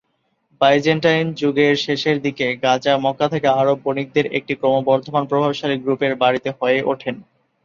Byzantine যুগের শেষের দিকে, গাজা, মক্কা থেকে আরব বণিকদের একটি ক্রমবর্ধমান প্রভাবশালী গ্রুপের বাড়িতে হয়ে উঠে।